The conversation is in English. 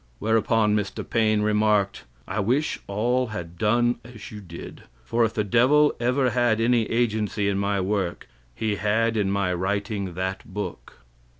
Whereupon Mr. Paine remarked: "I wish all had done as you did, for if the devil ever had any agency in any work, he had in my writing that book."